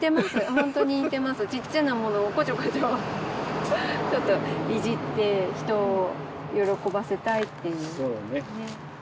本当に似てますちっちゃなものをこちょこちょちょっといじって人を喜ばせたいっていうそうね